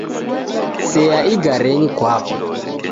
Sea igarenyi kwapo